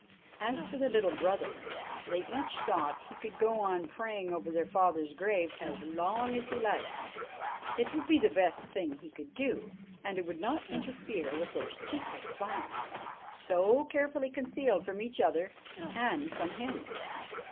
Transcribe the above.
As for their little brother, they each thought he could go on praying over their father's grave as long as he liked, it would be the best thing he could do, and it would not interfere with their secret plans, so carefully concealed from each other and from him.